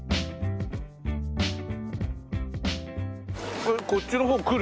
これこっちの方来る？